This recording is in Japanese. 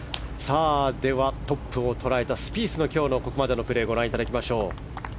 では、トップを捉えたスピースの今日のプレーをご覧いただきましょう。